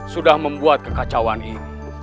sudah membuat kekacauan ini